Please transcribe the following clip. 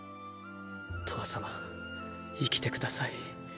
とわさま生きてください。